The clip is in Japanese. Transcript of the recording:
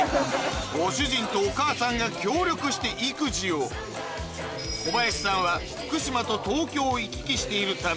ご主人とお母さんが協力して育児を小林さんは福島と東京を行き来しているため